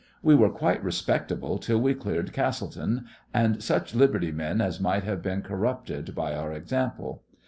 We were quite respectable till we cleared Castletown, and such liberty men as might have been corrupted by our example.